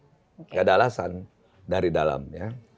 jadi tidak ada alasan dari dalamnya